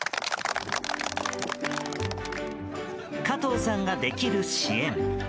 加藤さんができる支援。